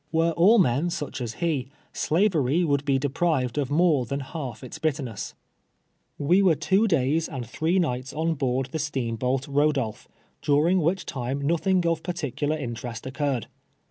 "Were all men such as he. Slavery wmdd be de prived of more than half its bitterness. WILLLVM FORD. 91 "We Tvcrc two days and three niglits on board the steamboat Rodolph, during which time nothing of particuhir interest occurred.